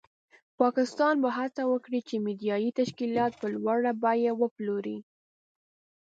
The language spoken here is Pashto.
پاکستان به هڅه وکړي چې میډیایي تشکیلات په لوړه بیه وپلوري.